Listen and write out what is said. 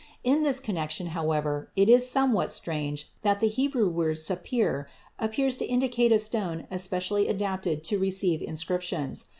In this connection, however, it is somewhat strange that the Hebrew word sappir appears to indicate a stone especially adapted to receive inscriptions.